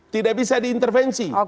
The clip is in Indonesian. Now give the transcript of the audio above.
tidak bisa diintervensi